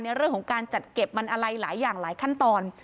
ในเรื่องของการจัดเก็บมันอะไรหลายอย่างหลายขั้นตอน